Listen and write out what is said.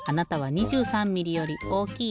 ２６ミリより大きい？